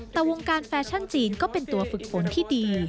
แต่วงการแฟชั่นจีนก็เป็นตัวฝึกฝนที่ดี